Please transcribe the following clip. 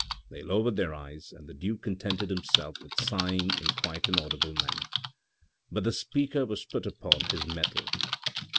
They lowered their eyes, and the duke contented himself with sighing in quite an audible manner. But the speaker was put upon his mettle.